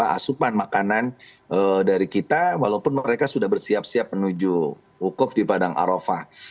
asupan makanan dari kita walaupun mereka sudah bersiap siap menuju wukuf di padang arofah